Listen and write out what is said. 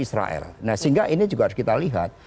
israel nah sehingga ini juga harus kita lihat